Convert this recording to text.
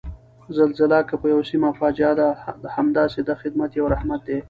زلزله که په یوه سیمه فاجعه ده، همداسې د خدای یو رحمت دی